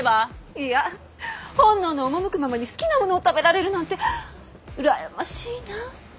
いや本能の赴くままに好きなものを食べられるなんて羨ましいなって。